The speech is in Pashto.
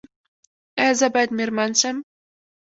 ایا زه باید میرمن شم؟